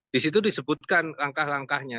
di situ disebutkan rangkah rangkahnya